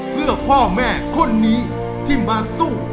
เพื่อพ่อแม่คนนี้ที่มาสู้